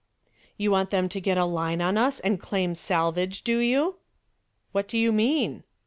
"You want them to get a line on us and claim salvage, do you?" "What do you mean?"